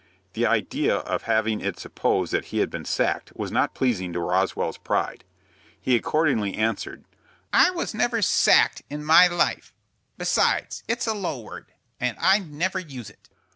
The idea of having it supposed that he had been "sacked" was not pleasing to Roswell's pride. He accordingly answered, "I never was 'sacked' in my life. Besides, it's a low word, and I never use it."